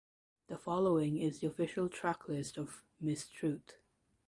The following is the official track list of "Miss Truth".